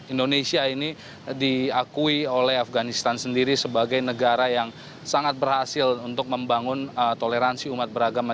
indonesia ini diakui oleh afganistan sendiri sebagai negara yang sangat berhasil untuk membangun toleransi umat beragama